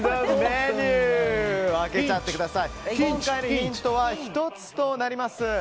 ヒントは１つとなります。